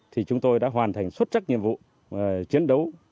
thì chúng tôi đã hoàn thành xuất sắc nhiệm vụ chiến đấu